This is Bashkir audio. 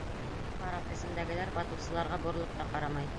Карап эсендәгеләр батыусыларға боролоп та ҡарамай.